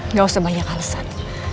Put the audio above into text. nggak usah banyak alesan